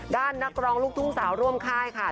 นักร้องลูกทุ่งสาวร่วมค่ายค่ะ